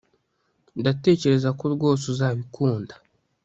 Ndatekereza ko rwose uzabikunda